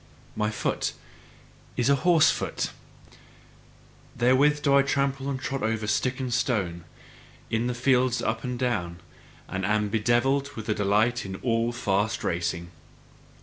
My foot is a horse foot; therewith do I trample and trot over stick and stone, in the fields up and down, and am bedevilled with delight in all fast racing.